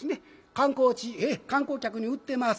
観光地観光客に売ってます。